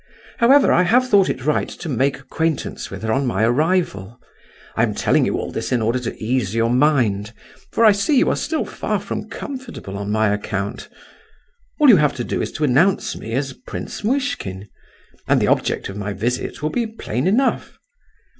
However, I have thought it right to make acquaintance with her on my arrival. I am telling you all this in order to ease your mind, for I see you are still far from comfortable on my account. All you have to do is to announce me as Prince Muishkin, and the object of my visit will be plain enough.